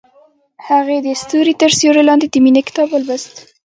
هغې د ستوري تر سیوري لاندې د مینې کتاب ولوست.